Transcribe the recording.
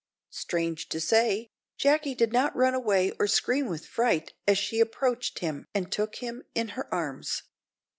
Strange to say, Jacky did not run away or scream with fright as she approached him and took him in her arms.